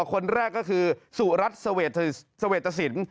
คนแรกก็คือสู่รัฐสเวทศิลป์